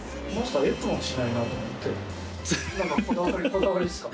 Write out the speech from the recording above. こだわりですか？